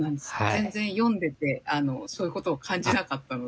全然読んでてそういうことを感じなかったので。